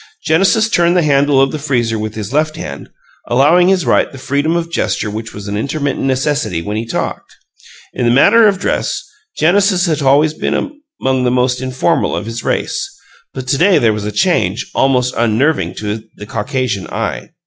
Genesis turned the handle of the freezer with his left hand, allowing his right the freedom of gesture which was an intermittent necessity when he talked. In the matter of dress, Genesis had always been among the most informal of his race, but to day there was a change almost unnerving to the Caucasian eye.